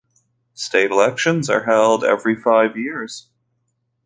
State elections are held every five years.